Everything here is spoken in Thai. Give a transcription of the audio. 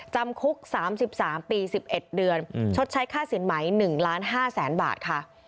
จำคุก๓๓ปี๑๑เดือนชดใช้ค่าสินไหม๑๕๐๐๐๐๐บาท